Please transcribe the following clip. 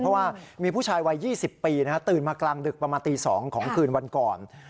เพราะว่ามีผู้ชายวัย๒๐ปีตื่นมากลางดึกประมาณตี๒ของคืนวันก่อน